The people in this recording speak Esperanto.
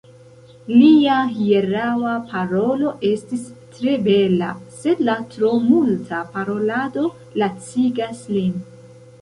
Lia hieraŭa parolo estis tre bela, sed la tro multa parolado lacigas lin.